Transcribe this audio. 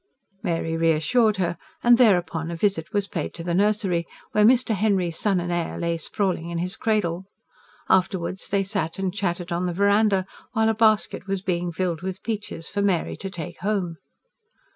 Mary reassured her, and thereupon a visit was paid to the nursery, where Mr. Henry's son and heir lay sprawling in his cradle. Afterwards they sat and chatted on the verandah, while a basket was being filled with peaches for Mary to take home.